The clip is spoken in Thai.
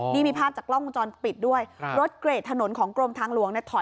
นี่มีภาพจากกล้องวงจรปิดด้วยครับรถเกรดถนนของกรมทางหลวงเนี่ยถอย